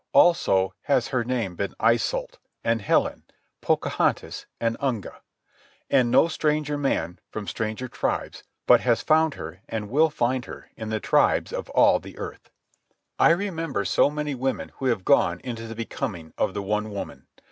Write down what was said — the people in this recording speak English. Also has her name been Iseult, and Helen, Pocahontas, and Unga. And no stranger man, from stranger tribes, but has found her and will find her in the tribes of all the earth. I remember so many women who have gone into the becoming of the one woman.